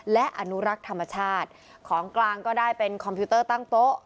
และอนุรักษ์ธรรมชาติของกลางก็ได้เป็นคอมพิวเตอร์ตั้งโต๊ะ